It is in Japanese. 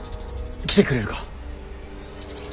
来てくれるか。